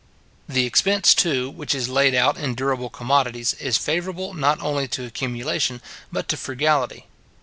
The expense, too, which is laid out in durable commodities, is favourable not only to accumulation, but to frugality.